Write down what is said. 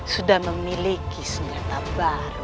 sudah memiliki senjata baru